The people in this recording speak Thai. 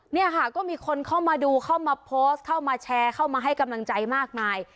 เนี่ยค่ะก็มีคนเข้ามาดูเข้ามาโพสต์เข้ามาแชร์เข้ามาให้กำลังใจมากมาย